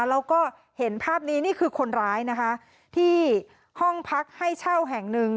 แล้วก็เห็นภาพนี้นี่คือคนร้ายนะคะที่ห้องพักให้เช่าแห่งหนึ่ง